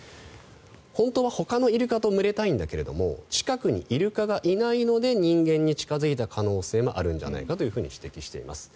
本当はほかのイルカと群れたいんだけれど近くにイルカがいないので人間に近付いた可能性もあるんじゃないかと指摘しています。